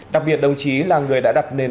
đặc biệt đồng chí là người đã đặt nền